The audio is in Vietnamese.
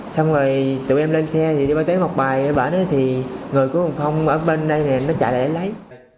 xong rồi tụi em lên xe tụi em tới một bài bả nó thì người của phong ở bên đây này nó chạy lại để lấy